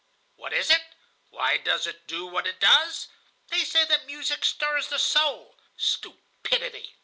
What is it? Why does it do what it does? They say that music stirs the soul. Stupidity!